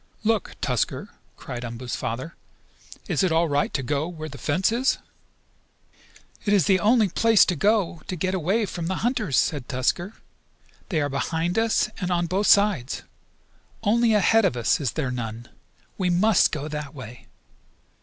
"Look, Tusker!" cried Umboo's father. "Is it all right to go there where the fence is?" "It is the only place to go to get away from the hunters," said Tusker. "They are behind us and on both sides. Only ahead of us is there none. We must go that way!"